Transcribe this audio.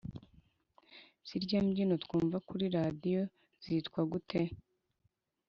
zirya mbyino twumva kuri radiyo zitwa gute